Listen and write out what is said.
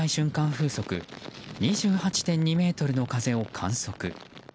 風速２８．２メートルの風を観測。